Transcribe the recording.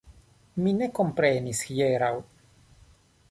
Mi ne komprenis hieraŭ.